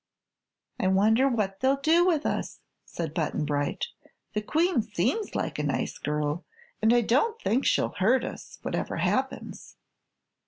"I wonder what they'll do with us," said Button Bright. "The Queen seems like a nice girl and I don't think she'll hurt us, whatever happens."